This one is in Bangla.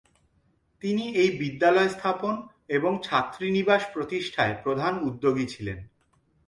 তিনি এই বিদ্যালয় স্থাপন এবং ছাত্রীনিবাস প্রতিষ্ঠায় প্রধান উদ্যোগী ছিলেন।